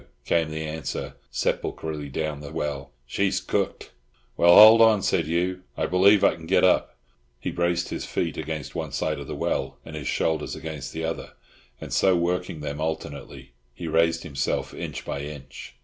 came the answer sepulchrally down the well. "She's cooked." "Well, hold on," said Hugh. "I believe I can get up." He braced his feet against one side of the well, and his shoulders against the other, and so, working them alternately, he raised himself inch by inch.